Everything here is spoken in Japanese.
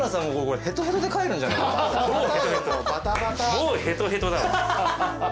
もうヘトヘトだわ。